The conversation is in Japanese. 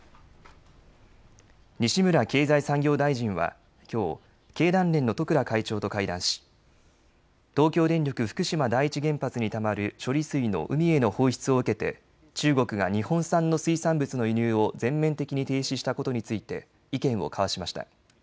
西村経済産業大臣はきょう経団連の十倉会長と会談し東京電力福島第一原発にたまる処理水の海への放出を受けて中国が日本産の水産物の輸入を全面的に停止したことについて意見を交わしました。